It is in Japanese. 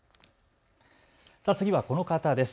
次はこの方です。